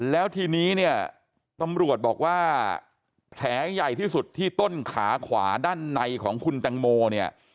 แล้วทีนี้เนี่ยตำรวจบอกว่าแผลใหญ่ที่สุดที่ต้นขาขวาด้านในของคุณแตงโมเนี่ย